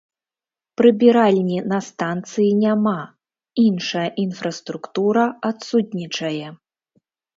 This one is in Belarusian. Прыбіральні на станцыі няма, іншая інфраструктура адсутнічае.